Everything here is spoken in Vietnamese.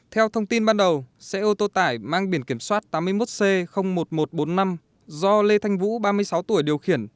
theo thông tin ban đầu xe ô tô tải mang biển kiểm soát tám mươi một c một nghìn một trăm bốn mươi năm do lê thanh vũ ba mươi sáu tuổi điều khiển